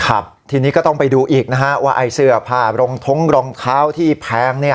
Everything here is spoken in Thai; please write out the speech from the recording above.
ครับทีนี้ก็ต้องไปดูอีกนะฮะว่าไอ้เสื้อผ้ารองท้องรองเท้าที่แพงเนี่ย